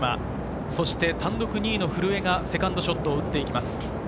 そして単独２位の古江がセカンドショットを打っていきます。